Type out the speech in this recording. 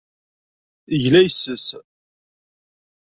Yegla yes-s.